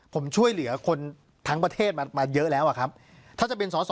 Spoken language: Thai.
ผมช่วยเหลือคนทั้งประเทศมามาเยอะแล้วอะครับถ้าจะเป็นสอสอ